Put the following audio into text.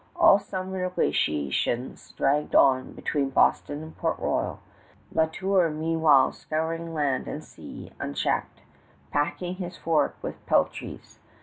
All summer negotiations dragged on between Boston and Port Royal, La Tour meanwhile scouring land and sea unchecked, packing his fort with peltries.